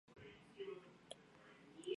全海笋属为海螂目鸥蛤科下的一个属。